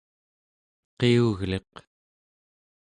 qiugliq